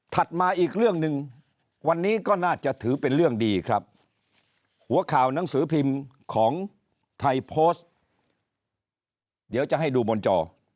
มาอีกเรื่องหนึ่งวันนี้ก็น่าจะถือเป็นเรื่องดีครับหัวข่าวหนังสือพิมพ์ของไทยโพสต์เดี๋ยวจะให้ดูบนจอ